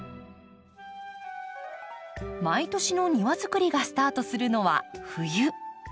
毎年の庭づくりがスタートするのは冬。